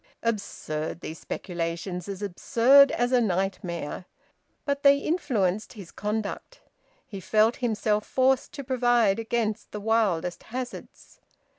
Absurd, these speculations; as absurd as a nightmare! But they influenced his conduct. He felt himself forced to provide against the wildest hazards.